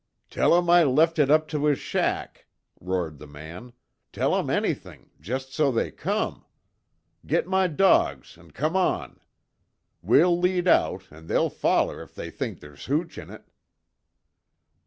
"Tell 'em I left it up to his shack!" roared the man, "Tell 'em anything, jest so they come. Git my dogs an' come on. We'll lead out, an' they'll foller if they think they's hooch in it."